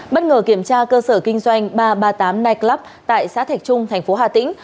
bất ngờ kiểm tra cơ sở kinh doanh ba trăm ba mươi tám night club tại xã thạch trung tp hà tĩnh